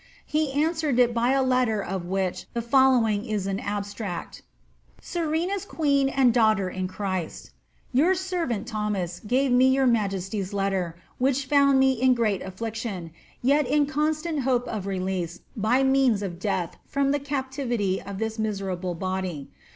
He answered it by a letter of which the following is an abstract: —Serenett Qaeen and daughter in Chriit, Your lervant Thomas gave me four mij^stj't letter, whidi ibund me in freat alBiction, yet in ooustaut hope of release by means of death ftom the cap tivity of this miserable body.